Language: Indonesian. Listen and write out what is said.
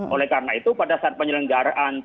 oleh karena itu pada saat penyelenggaraan